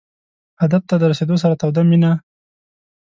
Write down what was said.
هدف ته د رسېدو سره توده مینه.